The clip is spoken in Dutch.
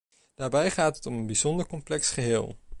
Daarbij gaat het om een bijzonder complex geheel.